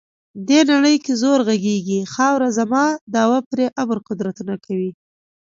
دې نړۍ کې زور غږیږي، خاوره زما دعوه پرې ابر قدرتونه کوي.